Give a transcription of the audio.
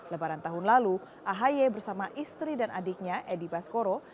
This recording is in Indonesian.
lebaran tahun lalu ahy bersama istri dan adiknya edi baskoro